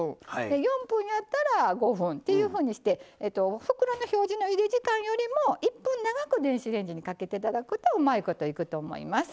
４分やったら５分っていうふうにして袋の表示のゆで時間よりも１分長く電子レンジにかけていただくとうまいこといくと思います。